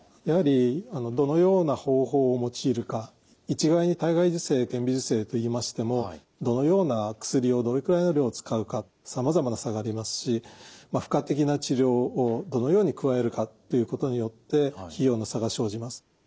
やはりどのような方法を用いるか一概に体外受精顕微授精といいましてもどのような薬をどれくらいの量を使うかさまざまな差がありますし付加的な治療をどのように加えるかということによって費用の差が生じます。